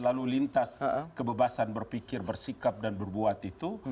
lalu lintas kebebasan berpikir bersikap dan berbuat itu